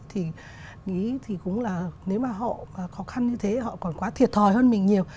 thì cũng là nếu mà họ khó khăn như thế họ còn quá thiệt thòi hơn mình nhiều